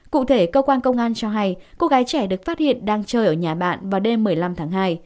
cụ thể cơ quan công an cho hay cô gái trẻ được phát hiện đang chơi ở nhà bạn vào đêm một mươi năm tháng hai